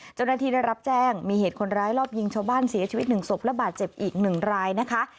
เจ้าหน้าที่ได้รับแจ้งมีเหตุคนร้ายรอบยิงชาวบ้านเสียชีวิต๑ศพและบาดเจ็บอีก๑รายนะคะ